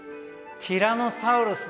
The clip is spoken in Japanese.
ティラノサウルスですな。